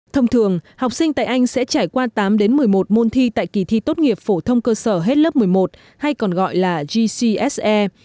thông thường học sinh tại anh sẽ trải qua tám đến một mươi một môn thi tại kỳ thi tốt nghiệp phổ thông cơ sở hết lớp một mươi một hay còn gọi là gcse